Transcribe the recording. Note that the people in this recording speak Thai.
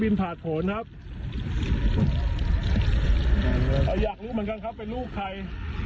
อยากรู้เหมือนกันครับเป็นลูกใคร